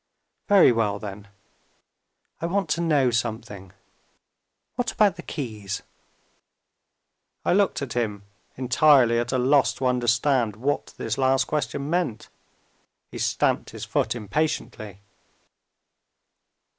"Very well, then, I want to know something. What about the Keys?" I looked at him, entirely at a loss to understand what this last question meant. He stamped his foot impatiently.